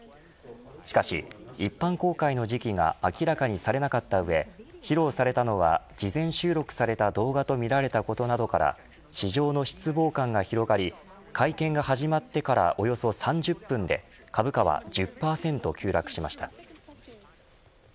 しかし、一般公開の時期が明らかにされなかったうえ披露されたのは事前収録された動画とみられたことなどから市場の失望感が広がり会見が始まってからおよそ３０分で株価が１０％急落しました。